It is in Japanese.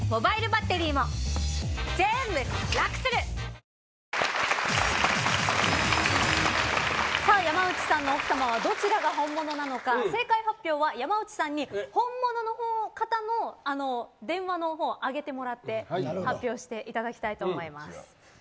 サントリーセサミン山内さんの奥様はどちらが本物なのか正解発表は山内さんに本物の方の電話を上げてもらって発表していただきます。